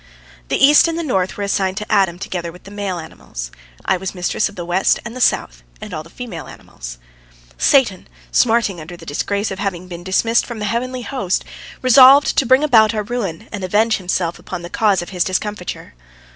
The east and the north were assigned to Adam, together with the male animals. I was mistress of the west and the south and all the female animals. Satan, smarting under the disgrace of having been dismissed from the heavenly host, resolved to bring about our ruin and avenge himself upon the cause of his discomfiture.